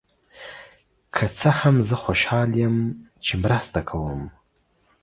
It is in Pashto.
که څه هم، زه خوشحال یم چې مرسته کوم.